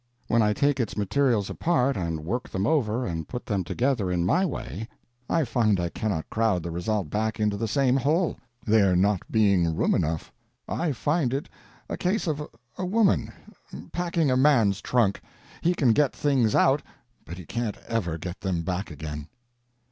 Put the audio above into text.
When I take its materials apart and work them over and put them together in my way, I find I cannot crowd the result back into the same hole, there not being room enough. I find it a case of a woman packing a man's trunk: he can get the things out, but he can't ever get them back again.